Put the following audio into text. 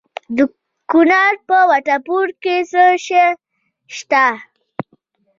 د کونړ په وټه پور کې څه شی شته؟